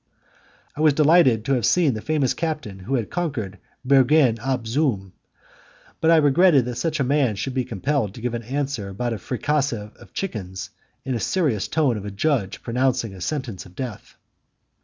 I was delighted to have seen the famous captain who had conquered Bergen op Zoom, but I regretted that such a man should be compelled to give an answer about a fricassee of chickens in the serious tone of a judge pronouncing a sentence of death.